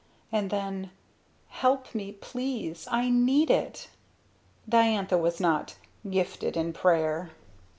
And then. "Help me please! I need it." Diantha was not "gifted in prayer."